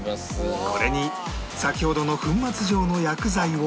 これに先ほどの粉末状の薬剤を